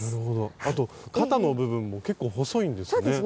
あと肩の部分も結構細いんですね。